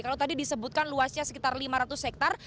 kalau tadi disebutkan luasnya sekitar lima ratus hektare